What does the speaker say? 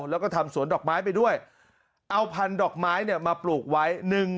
แล้วก็ทำสวนดอกไม้ไปด้วยเอาพันดอกไม้เนี่ยมาปลูกไว้